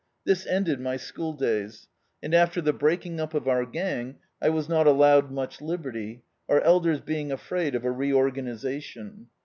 This ended my schooldays; and after the breaking up of our gang, I was not allowed much liberty, our elders being afraid of a reorgani sation.